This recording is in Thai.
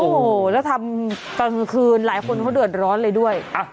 โอ้โหแล้วทำกลางคืนหลายคนเขาเดือดร้อนเลยด้วย